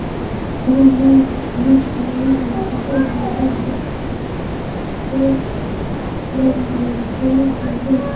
ওবামার ভাষণের সময় মসজিদের বাইরে অল্পসংখ্যক ব্যক্তিকে ইসলামবিরোধী স্লোগান দিতে দেখা যায়।